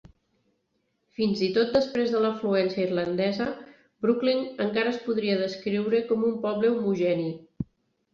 Fins i tot després de l'afluència irlandesa, Brookline encara es podria descriure com un poble homogeni.